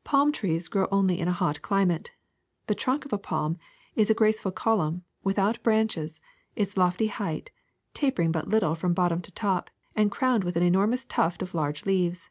^^ Palm trees grow only in a hot climate. The trunk of a palm is a graceful column, without branches, of lofty height, tapering but little from bottom to top, and crowned with an enormous tuft of large leaves.